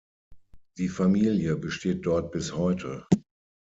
Die Familie besteht dort bis heute.